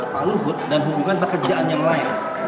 pak luhut dan hubungan pekerjaan yang lain